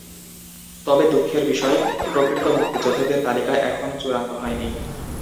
তবে দুঃখের বিষয়, প্রকৃত মুক্তিযোদ্ধাদের তালিকা এখনো চূড়ান্ত হয়নি।